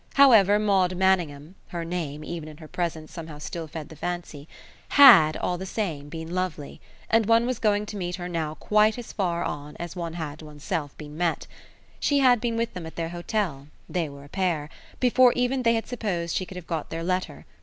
However, Maud Manningham (her name, even in her presence, somehow still fed the fancy) HAD, all the same, been lovely, and one was going to meet her now quite as far on as one had one's self been met. She had been with them at their hotel they were a pair before even they had supposed she could have got their letter.